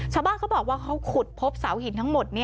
ชาวบ้านเขาบอกว่าเขาขุดพบเสาหินทั้งหมด